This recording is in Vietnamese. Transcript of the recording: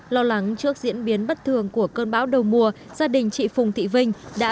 lo lắng trước diễn biến bất thường của cơn bão đầu mùa gia đình chị phùng thị vinh đã